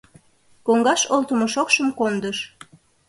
Коҥгаш олтымо шокшым кондыш.